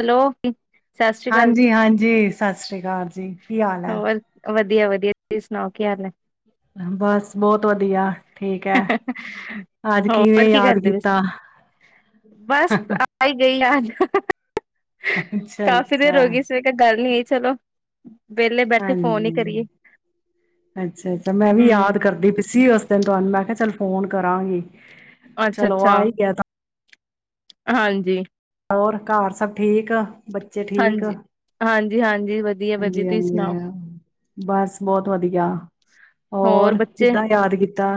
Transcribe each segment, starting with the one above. Hello, ਸਤਿ ਸ੍ਰੀ ਅਕਾਲ ਜੀ ਹਾਂਜੀ-ਹਾਂਜੀ ਸਤਿ ਸ੍ਰੀ ਅਕਾਲ ਜੀ ਕੀ ਹਾਲ ਹੈ। ਹੋਰ ਵਧੀਆ ਵਧੀਆ ਤੁਸੀਂ ਸੁਣਾਓ ਕੀ ਹਾਲ ਹੈ। ਬਸ ਬਹੁਤ ਵਧੀਆ, ਠੀਕ ਹੈ ਅੱਜ ਕਿਵੇਂ ਹੋਰ ਕੀ ਯਾਦ ਕਰਦੇ ਪਏ ਸੀ, ਕੀਤਾ ਬਸ ਆ ਹੀ ਗਈ ਯਾਦ, [unintelligible] ਅੱਛਾ ਕਾਫ਼ੀ ਦੇਰ ਅੱਛਾ ਹੋ ਗਈ, ਇਸ ਵੇ ਕਿਹਾ ਗੱਲ ਨੀ ਚਲੋ। ਵਿਹਲੇ ਬੈਠੇ ਫੋਨ ਹੀ ਹਾਂਜੀ, ਕਰੀਏ ਅੱਛਾ-ਅੱਛਾ ਮੈਂ ਵੀ ਹਮ ਯਾਦ ਕਰਦੀ ਪਈ ਸੀ, ਉਸ ਦਿਨ ਤੋ ਮੈਂ ਕਿਹਾ ਚੱਲ ਫੋਨ, ਕਰਾਂਗੀ। ਅੱਛਾ ਚਲੋ ਅੱਛਾ ਆ ਹੀ ਕਹਿਤਾ। ਹਾਂਜੀ, ਹੋਰ ਘਰ ਸਭ ਠੀਕ, ਬੱਚੇ ਠੀਕ ਆ ਹਾਂਜੀ ਹਾਂਜੀ ਹਾਂਜੀ ਵਧੀਆ ਵਧੀਆ ਤੁਸੀਂ ਸੁਣਾਓ ਹਾਂਜੀ-ਹਾਂਜੀ ਬਸ ਬਹੁਤ ਵਧੀਆ, ਜਾਂ, ਹੋਰ ਕਿੱਦਾਂ ਯਾਦ ਕੀਤਾ।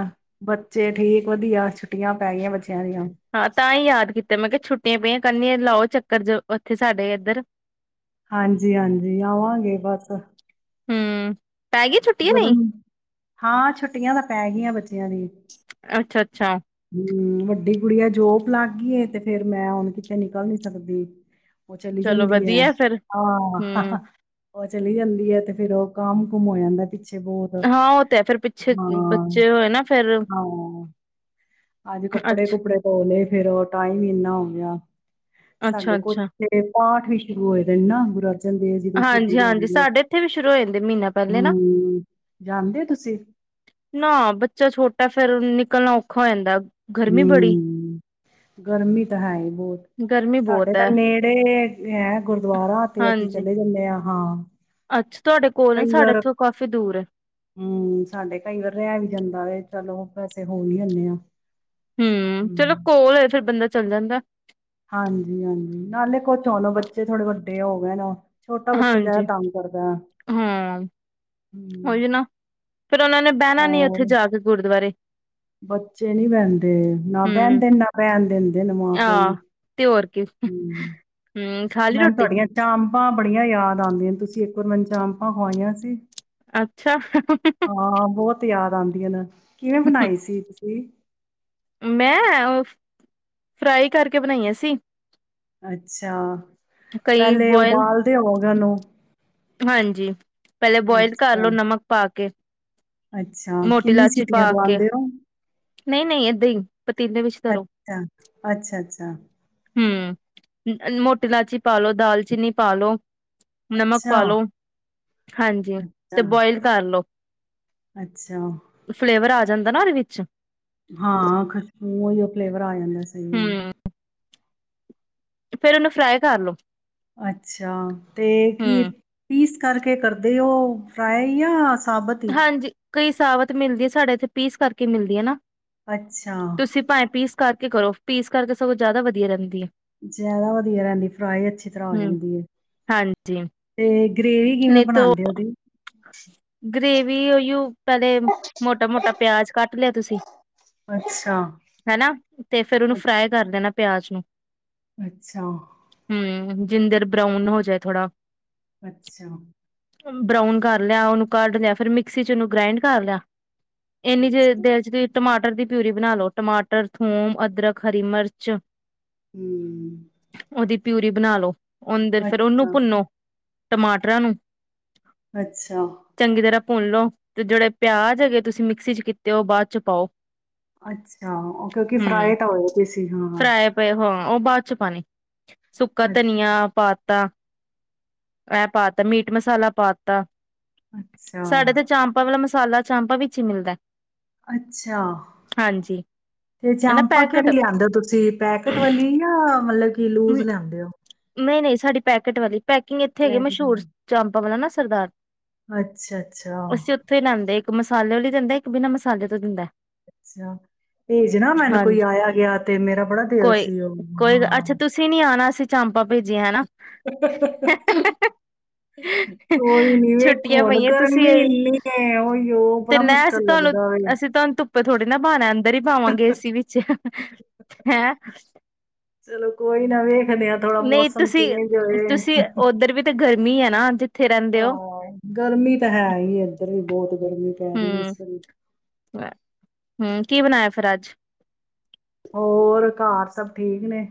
ਬੱਚੇ ਠੀਕ ਵਧੀਆ ਛੁੱ ਟੀਆਂ ਪੈ ਗਈਆਂ ਬੱਚਿਆਂ ਦੀਆਂ, ਕੀਤੇ ਮੈਂ ਕਿਹਾ ਛੁੱਟੀਆਂ ਪਈਆਂ ਕਰਨੀਆਂ ਲਾਓ ਚੱਕਰ ਜੋ ਉੱਥੇ ਸਾਡੇ ਇੱਧਰ। ਹਾਂਜੀ-ਹਾਂਜੀ ਆਵਾਂਗੇ ਬਸ, ਹੂੰ, ਜਦੋਂ ਹਾਂ ਛੁੱਟੀਆਂ ਤਾਂ ਪੈ ਗਈਆਂ ਬ ਅੱਛਾ-ਅੱਛਾ, ਹਮ ਵੱਡੀ ਕੁੜੀ ਆ ਜੋਬ ਲੱਗ ਗਈਏ, ਤੇ ਫੇਰ ਮੈਂ ਹੁਣ ਕਿਤੇ ਨਿਕਲ ਨੀ ਸਕਦੀ। ਉਹ ਚਲੀ ਚਲੋ ਜਾਂਦੀ ਹੈ ਵਧੀਆ ਫਿਰ ਹਮ ਆਹ, ਉਹ ਚਲੀ ਜਾਂਦੀ ਹੈ ਤੇ ਫੇਰ ਉਹ ਕੰਮ ਕੁੁੰਮ ਹੋ ਜਾਂਦਾ। ਪਿੱਛੇ ਬਹੁਤ ਹਾਂ ਉਹ ਤੇ ਹੈ ਫਿਰ ਪਿੱਛੇ ਹਾਂ ਬੱਚੇ ਹੋਏ ਨਾ ਫੇਰ ਹਾਂ ਅੱਜ ਕੱਪੜੇ ਅੱਛਾ ਕੁਪੜੇ ਧੋਲੇ। ਫੇਰ ਉਹ ਟਾਈਮ ਹੀ ਇੰਨਾ ਹੋ ਗਿਆ। ਅੱਛਾ ਸਾਡੇ ਅੱਛਾ ਕੁਛੇ ਪਾਠ, ਵੀ ਸ਼ੁਰੂ ਹੋਏ ਦਾ ਇੰਨਾ ਬੁਰਾ ਹਾਂਜੀ-ਹਾਂਜੀ ਸਾਡੇ ਇੱਥੇ ਵੀ ਸ਼ੁਰੂ ਹੋ ਜਾਂਦੇ ਮਹੀਨਾ ਪਹਿਲੇ ਨਾ ਜਾਦੇ ਹੋ ਤੁਸੀਂ, ਨਾ ਬੱਚਾ ਛੋਟਾ ਫੇਰ ਨਿਕਲਣਾ ਔਖਾ ਹੋ ਜਾਂਦਾ। ਗਰਮੀ ਬੜੀ ਹੂੰ, ਗਰਮੀ ਤਾਂ ਹੈ ਹੀ ਬਹੁਤ ਗਰਮੀ ਸਾਡੇ ਬਹੁਤ ਤਾਂ ਹੈ ਨੇੜੇ ਹੈ, ਗੁਰਦੁਆਰਾ ਉੱਥੇ ਤੇ ਅਸੀਂ ਹਾਂਜੀ ਚਲੇ ਜਾਂਦੇ ਹਾਂ। ਹਾਂ, ਅੱਛਾ ਤੁਹਾਡੇ ਕੋਲ ਕਈ ਸਾਡੇ ਵਾਰ ਇੱਥੋਂ ਕਾਫ਼ੀ ਦੂਰ ਹੈ ਹੂੰ, ਸਾਡੇ ਕਈ ਵਾਰ ਰਹਿ ਵੀ ਜਾਂਦਾ ਵੇ। ਚਲੋ ਪੈਸੇ ਹੋ ਨੀ ਹੁੰਨੇ ਆ। ਹੂੰ, ਚਲੋ ਕੋਲ ਹੋ ਫਿਰ ਬੰਦਾ ਚੱਲ ਜਾਂਦਾ। ਹਾਂਜੀ-ਹਾਂਜੀ, ਨਾਲੇ ਕੁਛ ਹੋਣ ਬੱਚੇ ਥੋੜੇ ਵੱਡੇ ਹੋ ਗਏ ਨੇ, ਛੋਟਾ ਬੱਚਾ ਜਿਆਦਾ ਹਾਂਜੀ ਤੰਗ ਕਰਦਾ। ਹਾਂ ਉਹੀ ਨਾ ਫਿਰ ਉਹਨਾਂ ਨੇ ਬਹਿਣਾ ਨੀ ਉੱਥੇ ਹੋਰ ਜਾ ਕੇ ਗੁਰਦੁਆਰੇ, ਬੱਚੇ ਨੀ ਬਹਿੰਦੇ ਨਾ ਹਮ ਬਹਿੰਦੇ ਨਾ ਬਹਿਣ ਦਿੰਦੇ ਨੇ ਮਾਂ ਪਿਓ ਨੂੰ, ਹਮ ਹੂੰ, ਖਾ ਲਈ ਮੈਨੂੰ ਰੋਟੀ ਤੁਹਾਡੀਆਂ ਚਾਂਪਾਂ ਬੜੀਆਂ ਯਾਦ ਆਦੀਆਂ ਨੇ ਤੁਸੀਂ ਇੱਕ ਵਾਰ ਮੈਨੂੰ ਚਾਪਾਂ ਖਵਾਈਆਂ ਸੀ। ਅੱਛਾ, ਹਾਂ ਬਹੁਤ ਯਾਦ ਆਦੀਆਂ ਨੇ, ਕਿਵੇਂ ਬਣਾਈ ਸੀ ਤੁਸੀਂ ਮੈਂ ਫਰਾਈ ਕਰਕੇ ਬਣਾਈਆਂ ਸੀ। ਅੱਛਾ, ਕਈ ਪਹਿਲੇ ਬੋਇਲ ਉਬਾਲਦੇ ਹੋਗੇ ਉਹਨੂ ਹਾਂਜੀ, ਪਹਿਲੇ ਬੋਇਲ ਕਰਲੋ ਨਮਕ ਪਾ ਕੇ, ਅੱਛਾ, ਕਿੰਨੀ ਸੀਟੀਆਂ ਦਵਾਉਂਦੇ ਹੋ। ਨਹੀਂ-ਨਹੀਂ, ਏਦਾਂ ਹੀ ਪਤੀਲੇ ਵਿੱਚ ਧਰੋ ਅੱਛਾ, ਅੱਛਾ-ਅੱਛਾ, ਹੂੰ, ਮੋਟੀ ਲਾਚੀ ਪਾਲੋ ਦਾਲਚੀਨੀ ਪਾਲੋ। ਨਮਕ ਅੱਛਾ, ਪਾ ਲੋ ਹਾਂਜੀ, ਅੱਛਾ, ਤੇ ਬਇਲ ਕਰ ਲੋ ਅੱਛਾ, ਫਲੇਵਰ ਆ। ਜਾਂਦਾ ਨਾ ਉਹਦੇ ਵਿੱਚ ਹਾਂ ਖੁਸ਼ਬੂ ਹੀ ਉਹ ਫਲੇਵਰ ਆ ਜਾਂਦਾ ਸਹੀ ਫਿਰ ਉਹਨੂੰ ਫਰਾਈ ਕਰ ਲੋ ਅੱਛਾ ਤੇ ਕੀ ਹਮ ਪੀਸ ਕਰਕੇ ਕਰਦੇ ਉਹ ਫਰਾਏ ਆ ਸਾਬਤ ਹੀ ਹਾਂਜੀ ਕਈ ਸਾਬਤ ਮਿਲਦੀ ਸਾਡੇ ਇੱਥੇ ਪੀਸ ਕਰਕੇ ਮਿਲਦੀ ਹੈ ਨਾ ਅੱਛਾ ਤੁਸੀਂ ਭਾਵੇਂ ਪੀਸ ਕਰਕੇ ਕਰੋ ਪੀਸ ਕਰਕੇ ਸਗੋਂ ਜ਼ਿਆਦਾ ਵਧੀਆ ਰਹਿੰਦੀ ਹੈ ਜ਼ਿਆਦਾ ਵਧੀਆ ਰਹਿੰਦੀ ਫਰਾਈ ਅੱਛੀ ਤਰ੍ਹਾਂ ਹੋ ਹਮ ਜਾਂਦੀ ਹੈ ਹਾਂਜੀ ਤੇ ਗਰੇੇਵੀ ਕਿਵੇਂ ਬਣਾਉਂਦੇ ਉਹਦੀ ਗ੍ਰੈਵੀ ਪਹਿਲੇ ਮੋਟਾ ਮੋਟਾ ਪਿਆਜ ਕੱਟ ਲਿਆ ਤੁਸੀਂ ਅੱਛਾ, ਹਨਾ ਤੇ ਫਿਰ ਉਹਨੂੰ ਫਰਾਈ ਕਰ ਦੇਣਾ ਪਿਆਜ ਨੂੰ ਅੱਛਾ ਜਿੰਦਰ ਬਰਾਊਨ ਹੋ ਜਾਏ ਥੋੜਾ ਅੱਛਾ ਬਰਾਊਨ ਕਰ ਕਰ ਲਿਆ ਉਹਨੂੰ ਕੱਢ ਦਿਆ ਫਿਰ ਮਿਕਸੀ ਚ ਉਹਨੂੰ ਗ੍ਰਾਇੰਡ ਕਰ ਲਿਆ ਇੰਨੀ ਜੇ ਦੇਰ ਚ ਵੀ [unintelligible] ਟਮਾਟਰ ਦੀ ਪਿਊਰੀ ਬਣਾ ਲੋ ਟਮਾਟਰ ਥੂਮ ਅਦਰਕ ਹਰੀ ਮਿਰਚ ਹਮ ਉਹਦੀ ਪਿਊਰੀ ਬਣਾ ਲੋ ਓਨੀ ਦੇਰ ਫਿਰ ਉਹਨੂੰ ਭੁੰਨੋ ਟਮਾਟਰਾਂ ਨੂੰ ਅੱਛਾ ਚੰਗੀ ਤਰ੍ਹਾਂ ਭੁੰਨ ਲੋ ਤੇ ਜਿਹੜੇ ਪਿਆਜ ਹੈਗੇ ਤੁਸੀਂ ਮਿਕਸੀ ਚ ਕੀਤੇ ਉਹ ਬਾਅਚ ਪਾਓ ਅੱਛਾ ਉਹ ਕਿਉਂਕਿ ਫਰਾਏ ਹੂੰ ਤਾਂ ਹੋਏ ਪਏ ਸੀ ਹਾਂ ਫਰਾਏ ਪਏ ਹਾਂ ਉਹ ਬਾਅਦ ਚ ਪਾਨੀ ਸੁੱਕਾ ਅੱਛ- ਧਨੀਆ ਪਾ ਤ ਇਹ ਪਾਤਾ ਮੀਟ ਮਸਾਲਾ ਪਾ ਤਾ ਅੱਛਾ ਸਾਡੇ ਤੇ ਚਾਂਪਾ ਵਾਲਾ ਮਸਾਲਾ ਚਾਂਪਾਂ ਵਿੱਚ ਹੀ ਮਿਲਦਾ ਅੱਛਾ ਹਾਂਜੀ ਤੇ ਇਹ ਨਾ ਚਾਮਪਾਂ ਪੈਕਟ ਕਿਹੜੀ ਲਿਆਂਂਦੇ ਹੋ ਤੁਸੀਂ ਪੈਕਟ ਵਾਲੀ ਜਾਂ ਮਤਲਬ ਕੀ ਲੂਜ ਲੈਂਦੇ ਹੋ ਨਹੀਂ ਨਹੀਂ ਸਾਡੀ ਪੈਕੇਟ ਵਾਲੀ ਪੈਕਿੰਗ ਇੱਥੇ ਹੈਗੇ ਪੈਕਟ ਮਸ਼ਹੂਰ ਵਾਲੀ ਚਾਂਪਾਂ ਵਾਲਾ ਨਾ ਸਰਦਾਰ ਅੱਛਾ ਅੱਛਾ ਅਸੀਂ ਉੱਥੋਂ ਹੀ ਲੈਂਦੇ ਇੱਕ ਮਸਾਲੇ ਵਾਲ ਲਈ ਦਿੰਦਾ ਇੱਕ ਬਿਨਾਂ ਮਸਾਲੇ ਤੋਂ ਦਿੰਦਾ ਅੱਛਾ ਭੇਜ ਨਾ ਮੈਨੂੰ ਕੋਈ ਹਾਂਜੀ ਆਇਆ ਗਿਆ ਤੇ ਮੇਰਾ ਬੜਾ ਦਿਲ ਸੀ ਉਹ ਹਾਂ ਜਾਣਾ, ਅਸੀਂ ਚਾਂਪਾ ਭੇਜੀਆਂ ਹੈਨਾ ਕੋਈ ਨੀ, ਵੇਖ ਛੁੱਟੀਆਂ ਹੁਣ ਪਈਆਂ ਤੁਸੀਂ ਗਰਮੀ ਇਨੀ ਹੈ, ਔ ਹੀ ਔ ਬੜਾ ਮੁਸ਼ਕਿਲ ਲੱਗਦਾ ਏ ਆਪਾਂ ਥੋੜੇ ਨਾ ਬਣਾਣਾ ਇੱਧਰ ਹੀ ਬਾਵਾਗੇ ਅਸੀਂ ਵਿੱਚ ਹੈਂ ਚਲੋ ਕੋਈ ਨਾ ਵੇਖ ਨਹੀਂ ਤੁਸੀਂ ਤੁਸੀਂ ਉੱਧਰ ਵੀ ਤੇ ਘਰ ਮੀਂਹ ਹੈ ਨਾ ਅੱਜ ਹਾਂ ਗਰਮੀ ਤਾਂ ਹੈ ਹੀ ਏਧਰ ਵੀ ਬਹੁਤ ਗਰਮੀ ਪੈ ਰਹੀ ਹੈ ਇਸ ਸਮਯ ਹੂ ਕੀ ਬਣਾਇਆ ਫਿਰ ਅੱਜ ਹੋਰ ਘਰ ਸਭ ਠੀਕ ਨੇ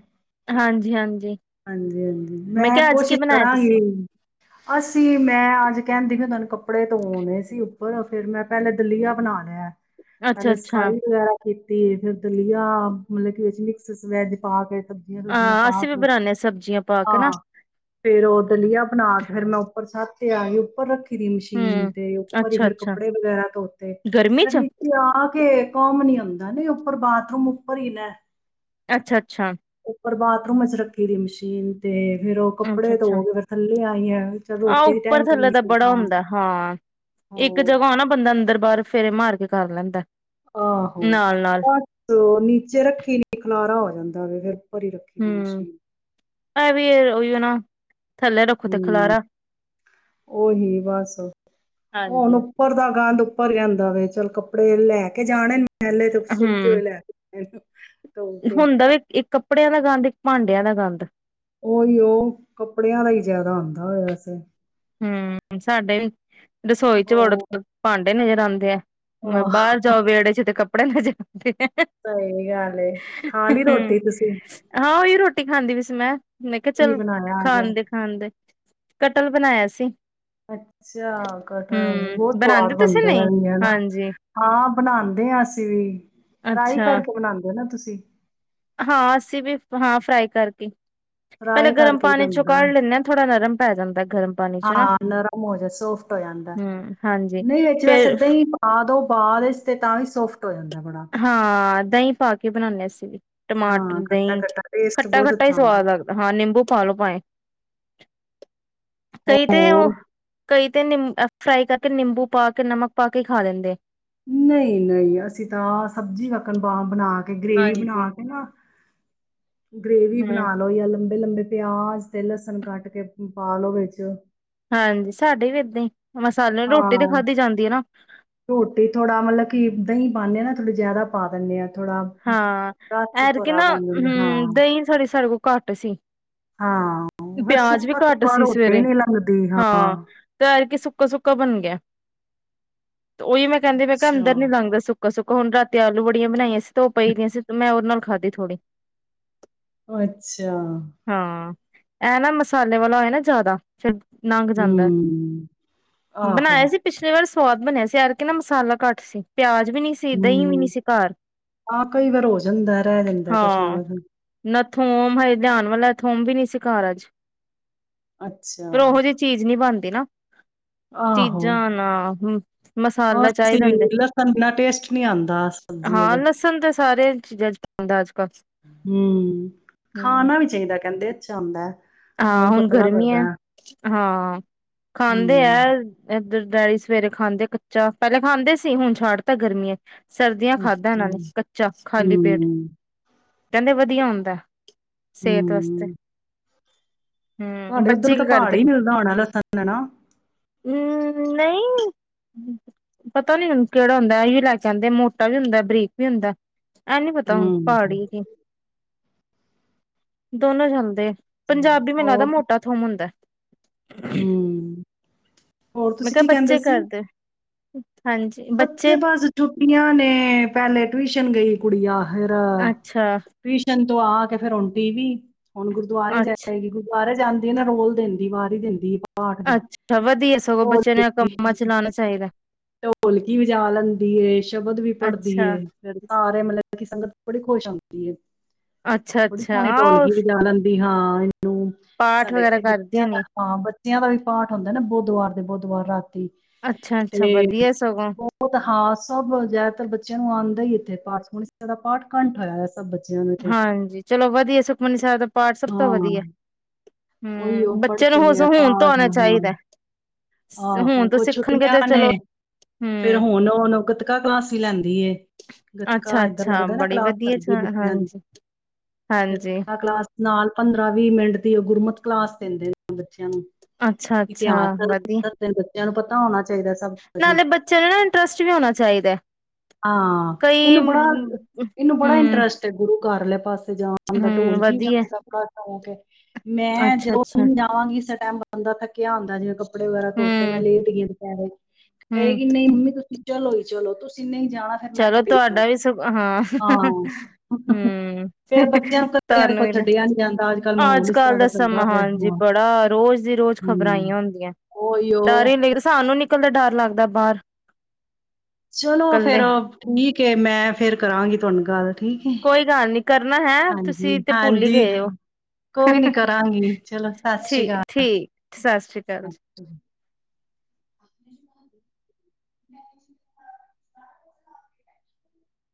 ਹਾਂਜੀ ਹਾਂਜੀ ਹਾਂਜੀ ਹਾਂਜੀ ਮੈਂ ਕਿਹਾ ਅੱਜ ਕੀ ਕੋਸ਼ਿਸ਼ ਬਣਾਇਆ ਤੁਸੀਂ? ਕਰਾਂਗੀ ਅਸੀਂ ਮੈਂ ਅੱਜ ਕਹਿਣਦੀ ਹ ਤੁਹਾਨੂੰ ਕੱਪੜ ਕੱਪੜੇ ਧੋਣੇ ਸੀ ਉੱਪਰ ਫੇਰ ਮੈਂ ਪਹਿਲੇ ਦਲੀਆ ਬਣਾ ਲਿਆ ਅੱਛਾ ਪਹਿਲੇ ਅੱਛਾ ਸਫਾਈ ਵਗੈਰਾ ਕੀਤੀ ਅਤੇ ਫਿਰ ਦਲੀਆ ਮਤਲਬ ਕਿ ਵਿੱਚ ਮਿਕਸ ਵੈੱਜ ਪਾ ਕੇ ਸਬਜ਼ੀਆਂ ਸੁਬਜ਼ੀਆਂ ਹਾਂ ਪਾ ਅਸੀਂ ਵੀ ਪੂ ਬਣਾਉਦੇ ਹਾਂ ਸਬਜ਼ੀਆਂ ਪਾ ਕੇ ਨਾ ਹਾਂ ਫੇਰ ਉਹ ਦਲੀਆ ਬਣਾ ਕੇ ਫਿਰ ਮੈਂ ਉੱਪਰ ਸਥ ਤੇ ਆਹੀ ਉਪਰ ਰੱਖ ਫਿਰ ਹੀ ਮਸ਼ੀਨ ਹੂੰ। ਤੇ ਉੱਪਰ ਹੀ ਅੱਛਾ ਫਿਰ ਅੱਛਾ ਕੱਪੜੇ ਵਗੈਰਾ ਧੋਤੇ ਗਰਮੀ ਫਿਰ ਚ ਨੀਚੇ ਆ ਕੇ ਕੰਮ ਨੀ ਆਉਂਦਾ ਨਹੀਂ ਉੱਪਰ ਬਾਥਰੂਮ ਉੱਪਰ ਹੀ ਨਾ ਅੱਛਾ ਅੱਛਾ ਪਰ ਬਾਥਰੂਮ ਚ ਰੱਖੀ ਦੀ ਮਸ਼ੀਨ ਤੇ ਫਿਰ ਉਹ ਅੱਛਾ, ਕੱਪੜੇ ਅੱਛਾ ਧੋ ਕੇ ਫਿਰ ਥੱਲੇ ਆਈ ਹੈ ਚਲ ਆਹ ਰੋਟੀ ਦੀ ਉੱਪਰ ਟਾਈਮ ਥੱਲੇ ਨਹੀਂ ਦਾ ਸੀ ਬੜਾ ਹਾਂ ਹੁੰਦੈ। ਹਾਂ, ਇੱਕ ਹੋ ਜਗ੍ਹਾ ਨਾ ਬੰਦਾ ਅੰਦਰ ਬਾਹਰ ਫੇਰੇ ਮਾਰ ਕੇ ਕਰ ਲੈਂਦਾ ਆਹੋ, ਨਾਲ ਨਾਲ ਬਸ ਨੀਚੇ ਰੱਖੀ ਨੀ ਖਲਾਰਾ ਹੋਏ। ਜਾਂਦਾ ਵੇ ਫਿਰ। ਭਰੀ ਰੱਖੀ ਦੀ ਮਸ਼ੀਨ। ਐ ਵੀ ਅ ਓਇਯੋ ਨਾ। ਥੱਲੇ ਰੱਖੋ ਤੇ ਹਮ, ਖਲਾਰਾ ਓਹੀ ਬਸ ਹੁੰਣ ਹਾਂਜੀ ਉੱਪਰ ਦਾ ਗੰਦ। ਭਰ ਜਾਂਦਾ ਵੇ। ਚਲ ਕੱਪੜੇ ਲੈ ਕੇ ਜਾਣੇਨ ਮੈਂਲੇ ਤੇ ਕੁ ਸੁਕੇ ਹੂੰ ਹੋਏ ਲੈ ਕੇ। ਇਹ। ਹੁੰਦਾ ਵੀ, ਇਹ ਕੱਪੜਿਆਂ ਦਾ ਗੰਦ ਈ। ਭਾਂਡਿਆਂ ਦਾ ਗੰਦ। ਓਹੀਓ, ਕੱਪੜਿਆਂ ਦਾ ਹੀ ਜ਼ਿਆਦਾ ਹੁੰਦਾ ਏ ਵੈਸੇ। ਹਮ, ਸਾਡੇ ਵੀ। ਰਸੋਈ ਚ ਵੜੋ ਉਹ ਤੇ ਭਾਂਡੇ ਨਜ਼ਰ ਜਾਂਦੇ ਐ। ਮੈਂ ਆਹ, ਬਾਹਰ ਜਾਓ ਵੇੜੇ ਚ ਤੇ ਕੱਪ ਕਪੜੇ ਨੂੰ ਜ ਸਹੀ ਗੱਲ ਏ, ਖਾ ਲੀ ਰੋਟੀ ਤੁਸੀਂ। ਟੀ ਖਾਂਦੀ ਪਏ ਸੀ ਮੈਂ। ਮੈਂ ਕਿਹਾ ਕੀ ਚੱਲ ਬਣਾਇਆ ਅੱਜ ਖਾਂਦੇ-ਖਾਂਦੇ। ਕਟਲ। ਬਣਾਇਆ ਸੀ। ਅੱਛਾ ਕਟਲ, ਹੂੰ, ਬਹੁਤ ਬਣਾਂਦੇ ਸਵਾਦ ਤੁਸੀਂ ਬਣਦਾ ਹੈ। ਨਹੀਂ? ਵੀ ਹਨਾ ਹਾਂਜੀ, ਹਾਂ ਬਣਾਂਦੇ ਹਾਂ ਅਸੀਂ ਵੀ। ਫਰਾਈ ਅੱਛਾ। ਕਰਕੇ ਬਣਾਉਂਦੇ ਹੋ ਨਾ ਤੁਸੀਂ। ਹੀ। ਹਾਂ ਅਸੀਂ ਵੀ, ਹਾਂ ਫਰਾਈ ਕਰਕੇ। ਪਹਿਲੇ ਫਰਾਈ ਗਰਮ ਕਰਕੇ ਹੀ ਪਾਣੀ ਚੋਂ ਬਣਦਾ ਕੱਢ ਲੈਂਦੇ ਹਾਂ ਥੋੜ੍ਹਾ ਨਰਮ ਪੈ ਜਾਂਦਾ ਗਰਮ ਪਾਣੀ ਚੋਂ ਨਾ। ਹਾਂ ਨਰਮ ਹੋ ਜਾ ਸੌਫਟ ਹੋ ਜਾਂਦਾ ਹਮ, ਹਾਂਜੀ ਨਹੀਂ ਵਿੱਚ ਬਸ ਫਿਰ ਏਦਾਂ ਫ ਹੀ ਪਾ ਦੋ ਬਾਅਦ ਇੱਚ ਤੇ ਤਾਂ ਵੀ ਸੋਫ ਹੋ ਜਾਂਦਾ ਬੜਾ ਦਹੀ ਪਾ ਕੇ ਬਣਾਉਣੇ ਅਸੀਂ ਵੀ। ਟਮਾਟਰ, ਹਾਂ ਖੱਟਾ ਦਹੀਂ। ਖੱਟਾ ਟੇਸਟ ਬਹੁਤ ਖੱਟਾ-ਖੱਟਾ ਈ ਅੱਛਾ ਆਉਂਦਾ ਸਵਾਦ ਲੱਗਦਾ। ਹਾਂ, ਨਿੰਬੂ ਪਾਲੋ ਭਾਂਏ। ਕਈ ਤੇ ਉਹ ਹੋਰ ਕਈ ਤੇ ਨੀ ਫਰਾਈ ਕਰਕੇ, ਨਿੰਬੂ ਪਾ ਕੇ ਨਮਕ ਪਾ ਕੇ ਖਾ ਲੈਂਦੇ। ਨਹੀਂ, ਨਹੀਂ ਅਸੀਂ ਜਿਦਾਂ ਸਬਜ਼ੀ ਵਕਣ ਬਣਾ ਕੇ ਗ੍ਰੇਵੀ ਹਾਂਜੀ। ਬਣਾ ਕੇ ਨਾ ਗ੍ਰੇਵੀ ਹੂੰ ਬਣਾ ਲਓ ਜਾਂ ਲੰਬੀ ਲੰਬੇ ਲੰਬੇ ਪਿਆਜ ਤੇ ਲਸਣ ਕੱਟ ਕੇ ਪਾਾਲੋ ਵਿੱਚ ਹਾਂਜੀ ਸਾਡੇ ਵੀ ਏਦਾਂ ਹੀ ਮਸਾਲੇ ਰੋਟੀ ਤੇ ਹਾਂ ਖਾਧੀ ਜਾਂਦੀ ਹੈ ਨਾ ਰੋਟੀ ਥੋੜਾ ਮਤਲਬ ਕੀ ਦਹੀਂ ਪਾਉਂਦੇ ਹ ਨਾ ਥੋੜ੍ਹ ਜਿਆਦਾ ਪਾ ਦਿੰਦੇ ਹਾਂ [unintelligible] ਹਾਂ ਐਰ ਕਿ ਨਾ ਬਣ ਜਾਂਦਾ ਹਮ ਹਾਂ ਦਹੀਂ ਛੋੜੀ ਸ ਘੱਟ ਸੀ ਹਾਂ ਫੇਿਰ ਪਿਆਜ ਵੀ ਸੁੱਕਾ ਘੱਟ ਸੁੱਕਾ ਸੀ ਰੋਟੀ ਸਵੇਰੇ ਨਹੀਂੀ ਲੰਘਦੀ ਹਾਂ ਕਬਨ ਗਿਆ ਤੇ ਉਹੀ ਮੈਂ ਕਹਿੰਦੀ ਮੈਂ ਕਿਹਾ ਅੱਛਾ ਅੰਦਰ ਨ ਲੰਗਦਾ ਸੁੱਕਾ ਸੁੱਕਾ ਹੁਣ ਰਾਤੀ ਆਲੂ ਬੜੀਆਂ ਬਣਾਈਆਂ ਸੀ ਧੋ ਪਈ ਦੀਆਂ ਸੀ ਮੈਂ ਉਹ ਨਾਲ ਖਾਧੀ ਥੋੜ੍ਹੀ ਅੱਛਾ ਹਾਂ ਇਹ ਨਾ ਮਸਾਲੇ ਵਾਲਾ ਹੋਏ ਨਾ ਜ਼ਿਆਦਾ ਫ ਨੰਘ ਜਾਂਦਾ ਹੂੰ, ਆਹੋ। ਬਣਾਇਆ ਸੀ ਪਿਛਲੇ ਵਾਰ ਸਵਾਦ ਬਣਿਆ ਸੀ ਯਾਰਕੇ ਨਾ ਮਸਾਲਾ ਘੱਟ ਸੀ ਪਿਆਜ ਵੀ ਨਹੀਂੀ ਸੀ ਦਹੀਂ ਵੀ ਨਹੀਂੀ ਸੀ ਘਰ ਹਾਂ ਕਈ ਵਾਰ ਹੋ ਜਾਂਦਾ ਰਹਿ ਜਾਂਦਾ ਕੁਛ ਨਾ ਹਾਂ ਕੁਛ ਨਾ ਥੋਮ ਹਜੇ ਲਿਆਉਣ ਵਾਲਾ ਥੋਮ ਵੀ ਨੀ ਸਿਕਾਰ ਅੱਜ ਅੱਛਾ ਪਰ ਉਹੋ ਜਿਹੀ ਚੀਜ਼ ਨਹੀਂ ਬਣਦੀ ਨਾ ਆਹੋ ਚੀਜ਼ਾਂ ਨਾ ਹੋਰ ਮਸਾਲਾ ਚਾਹੀਦਾ ਹੁੰਦੇ ਲਸਣ ਇਨਾ ਟੇਸਟ ਨੀ ਆਉਂਦਾ ਸਬਜ਼ [unintelligible] ਸਾਰਿਆਂ ਚੀਜ਼ਾਂ ਚ ਪਾਉਂਦਾ ਅੱਜ ਕੱਲ੍ਹ ਹਮ ਖਾਣਾ ਵੀ ਚਾਹੀਦਾ ਕਹਿੰਦੇ ਬੱਚਾ ਆਂਦਾ ਹੈ ਹਾਂ ਖੂਨ ਹੁਣ ਪਤਲਾ ਗਰਮੀ ਹੈ ਕਰਦਾ ਹਾਂ ਖਾਂਦੇ ਹੂੰ, ਹੈ ਜਰ ਡੈਡੀ ਸਵੇਰੇ ਖਾਂਦੇ ਕੱਚਾ ਪਹਿਲੇ ਖਾਂਦੇ ਸੀ ਹੁਣ ਛੱਡ ਤਾਂ ਗਰਮੀਆਂ ਸਰਦੀਆਂ ਖਾਦਾਂ ਅੱਛਾ ਨਾਲ ਕੱਚਾ ਖਾਲੀ ਪੇਟ ਹੂੰ, ਕਹਿੰਦੇ ਵਧੀਆ ਹੁੰਦਾ ਸਿਹਤ ਵਾਸਤੇ ਹਮ ਹੂੰ ਤੁਡੇ ਉੱਧਰ ਬੱਚੇ ਤਾਂ ਕੀ ਪਹਾੜ ਕਰਦੇ ਮਿਲਦਾ ਹੋਣਾ ਲਸਣ ਹਨਾ ਹਮ ਨਹੀਂ ਪਤਾ ਨ ਮੈਨੂੰ ਕਿਹੜਾ ਹੁੰਦਾ ਅਹੀ ਵੀ ਲੈ ਕੇ ਆਉਂਦੇ ਮੋਟਾ ਵੀ ਹੁੰਦਾ ਬਰੀਕ ਵੀ ਹੁੰਦਾ ਇਹਨੀ ਪਤਾ ਹੁਣ ਹੂੰ, ਪਹਾੜੀ ਜ ਦੋਨੋ ਜਾਂਦੇ ਪੰਜਾਬੀ ਮੈਨੂੰ ਲੱਗਦਾ ਹੋਰ ਮੋਟਾ ਥੋਮ ਹੁੰਦਾ। [inaudible] ਹੂੰ ਹੋਰ ਮੈਂ ਤੁਸੀਂ ਕਿਹਾ ਕੀ ਕਹਿੰਦੇ ਬੱਚੇ ਸੀ? ਕਰਦੇ। ਬੱਚੇ ਬਸ ਛੁੱਟੀਆਂ ਨੇ ਪਹਿਲੇ [unintelligible] ਟਿਉਸ਼ਨ ਗਈ ਕੁੜੀਆਂ। ਫੇਰ ਅੱਛਾ ਟਿਉਸ਼ਨ ਤੋਂ ਆ ਕੇ ਫੇਰ ਹੁਣ ਟੀ ਵੀ। ਹੁਣ ਗੁਰਦੁਆਰੇ ਅੱਛਾ ਜਾਏਗੀ ਗੁਰਦੁਆਰੇ ਜਾਂਦੀ ਆ ਨਾ ਰੋਲ ਦਿੰਦੀ ਬਾਹਰ ਹੀ ਦਿੰਦੀ। ਪਾਠ ਦੀ ਅੱਛਾ ਵਧੀਆ ਸਗੋਂ ਉਹ ਬੱਚਿਆਂ ਨੂੰ ਕੰਮਾਂ ਚ ਲਾਉਣਾ ਚਾਹੀਦਾ। ਕੀ ਵਜਾ ਲੈਂਦੀ ਏ, ਸ਼ਬਦ ਵੀ ਪੜਦੀ ਅੱਛਾ ਏ ਫਿਰ ਸਾਰੇ ਮਤਲਬ ਸੰਗਤ ਬੜੀ ਖੁਸ਼ ਹੁੰਦੀ ਏ। ਅੱਛਾ-ਅੱਛਾ ਆ ਵੀ ਹਾਂ [unintelligible] ਸਾਡੇ ਇੱਥੇ ਬੱਚਿਆਂ ਕਰਦੀਆਂ ਦਾ ਨੇ ਹਾਂ ਬੱਚਿਆਂ ਦਾ ਵੀ ਪਾਠ ਹੁੰਦਾ ਨਾ ਬੁੱਧਵਾਰ ਦੇ ਬੁੱਧਵਾਰ ਰਾਤੀ। ਅੱਛਾ-ਅੱਛਾ ਤੇ ਵਧ ਬਹੁਤ ਹਾ ਸਭ ਜ਼ਿਆਦਾਤਰ ਬੱਚਿਆਂ ਨੂੰ ਆਂਦਾ ਹੀ ਪਾਠ [unintelligible] ਪਾਠ ਕੰਠ ਹੋਇਆ ਸੀ। ਹਾਂਜੀ ਚਲੋ ਵਧੀਆ ਸੁਖਮਨੀ ਸਾਹਿਬ ਦਾ ਪਾਠ ਸਭ ਤੋਂ ਵਧੀਆ। ਹੂੰ ਬੱਚੇ ਨੂੰ ਹੁਣ ਤੋਂ ਆਉਣਾ ਚਾਹੀਦਾ। ਆਹੋ ਹੁਣ ਤੋਂ ਕੁਝ ਸਿੱਖਣਗੇ ਛੁੱਟੀਆਂ ਤੇ ਚਲੋ ਨੇ, ਫੇਰ ਹੂੰ ਹੁਣ ਹੁਣ ਗਤਕਾ ਕਲਾਸ ਹੀ ਲੈਂਦੀ ਏ। ਗਤਕਾ ਇੱਧਰ ਅੱਛਾ-ਅੱਛਾ ਲੱਗਦਾ ਨਾ ਬੜੀ ਕਲਾਸ ਵਧੀਆ ਲਗਦੀ ਬੱਚਿਆਂ ਦੀ। ਹਾਂਜੀ-ਹਾਂਜੀ ਗੱਤਕਾ ਕਲਾਸ ਨਾਲ ਪੰਦਰਾਂ ਵੀਹ-ਮਿੰਟ ਦੀ ਉਹ ਗੁਰਮਤ ਕਲਾਸ ਦਿੰਦੇ ਨੇ। ਬੱਚਿਆਂ ਨੂੰ ਅੱਛਾ-ਅੱਛਾ ਵਧੀਆ [unintelligible] ਬੱਚਿਆਂ ਨੂੰ ਪਤਾ ਹੋਣਾ ਚਾਹੀਦਾ ਸਭ ਕੁਝ ਨਾਲੇ ਬੱਚਿਆਂ ਨੂੰ ਨਾ ਇੰਟਰਸਟ ਵੀ ਹੋਣਾ ਚਾਹੀਦਾ। ਹਾਂ, ਕਈ ਇਹਨੂੰ ਬੜਾ, ਇਹਨੂੰ ਬੜਾ ਹੂੰ-ਹੂੰ ਇੰਟਰਸਟ ਏ ਕਰ ਲੈ ਪਾਸੇ ਜਾਣ ਦਾ ਢੋਲ ਕੀ ਵਧੀਆ ਜਾਂਦਾ ਘ ਹੋਕੇ। ਮੈਂ ਜਦੋਂ ਅੱਛਾ-ਅੱਛਾ ਜਾਵਾਂਗੀ ਸ ਟਮ ਬੰਦਾ ਤਾਂ ਥੱਕਿਆ ਆਂਦਾ ਜਿਕੋ ਕੱਪੜੇ ਵਗੇਰਾ ਧੋ ਤੇ ਮੈਂ ਹੂੰ-ਹੂੰ ਲੇਟ ਗ [inaudible] ਕਏਗੀ ਨਹੀਂ ਮੰਮੀ ਤੁਸੀਂ ਚਲੋ ਜੀ ਚਲੋ ਤਸ ਜਿੰਨੇ ਚਲੋ ਤੁਹਾਡਾ ਵੀ ਸਗੋਂ ਹਾਂ, ਹਾਂ ਹਮ ਫਿਰ ਬੱਚਿਆਂ ਨੂੰ ਕੱਲਿਆਂ ਤੁਹਾਨੂੰ ਵੇਖੋ ਵੀ ਛੱਡਿਆ ਨਹੀਂ ਜਾਂਦਾ ਅੱਜ ਕੱਲ ਮਾਹੌਲ ਇਸ ਤਰ੍ਹਾਂ ਅੱਜ-ਕੱਲ ਦਾ ਚੱਲਦਾ ਸਮਾਂ ਪਿਆ ਹਾਂਜੀ ਹਾਂ, ਬੜਾ ਰੋਜ਼ ਦੀ ਰੋਜ਼ ਖ਼ਬਰਾਂ ਹਮ ਆਈਆਂ ਹੁੰਦੀਆਂ, ਓਯੋ ਡਰ ਹੀ ਲਦਾ ਸਾਨੂੰ ਨਿਕਲਦਾ ਡਰ ਲੱਗਦਾ ਬਾਹਰ। ਚਲੋ ਫੇਰ ਕੱਲੇ ਠੀਕ ਏ, ਮੈਂ ਫੇਰ ਕਰਾਂਗੀ ਤੁਹਾਨੂੰ ਗੱਲ। ਠੀਕ ਹੈ ਕੋਈ ਗੱਲ ਨੀ ਕਰਨਾ ਹੈ ਹਾਂਜੀ ਤੁਸੀਂ ਤੇ ਭੁੱਲ ਹੀ ਹਾਂਜੀ ਗਏ ਹੋ। ਕੋਈ ਨਹੀਂ ਕਰਾਂਗੀ ਚਲੋ ਸਤਿ ਸ਼੍ਰੀ ਠੀਕ ਅਕਾਲ ਠੀਕ। ਸਤਿ ਸ੍ਰੀ ਅਕਾਲ ਸਤਿ ਜੀ। ਸ਼੍ਰੀ ਅਕਾਲ। [inaudible]